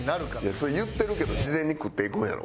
それ言ってるけど事前に繰っていくんやろ？